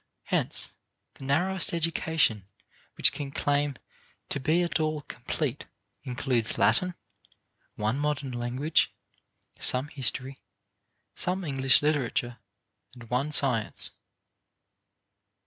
Hence the narrowest education which can claim to be at all complete includes Latin, one modern language, some history, some English literature, and one science."